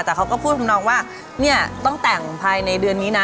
แต่เขาก็พูดทำนองว่าเนี่ยต้องแต่งภายในเดือนนี้นะ